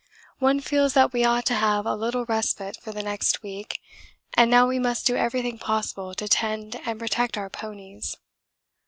One feels that we ought to have a little respite for the next week, and now we must do everything possible to tend and protect our ponies.